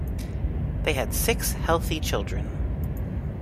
They had six healthy children.